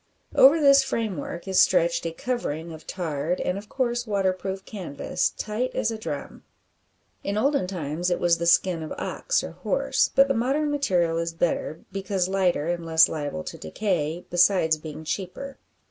Over this framework is stretched a covering of tarred, and, of course, waterproof canvas, tight as a drum. In olden times it was the skin of ox or horse, but the modern material is better, because lighter, and less liable to decay, besides being cheaper.